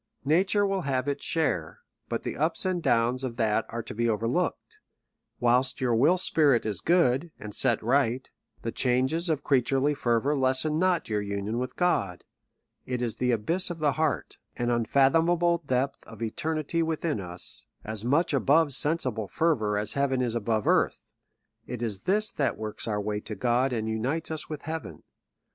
Nature will have its share ; but the ups and downs of that are to be overlooked. — Whilst your will spirit is good, and set right, the changes of creaturely fervour lessen not your union with God. It is the abyss of the heart, an unfathomable depth of eternity within us, as much above sensible fervour as heaven is above earth ; it is this that works our way to God and unites us with heaven.